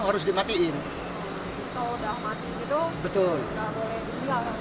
kalau udah mati gitu gak boleh tinggal